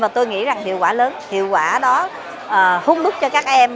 kết quả đó hút lúc cho các em